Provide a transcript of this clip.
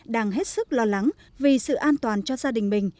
đang hết sức lo lắng vì sự an toàn cho gia đình mình